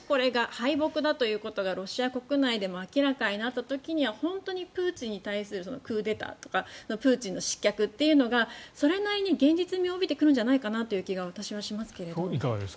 それでもしこれが敗北だということがロシア国内でも明らかになった時には本当にプーチン大統領に対するクーデターやプーチンの失脚というのがそれなりに現実味を帯びる気が私はしますが。